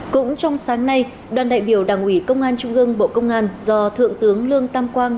cũng trong sáng nay đoàn đại biểu đảng ủy công an trung gương bộ công an do thượng tướng lương tam quang